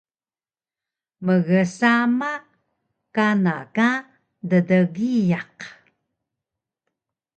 mgsama kana ka ddgiyaq